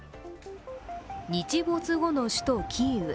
日没後の首都キーウ。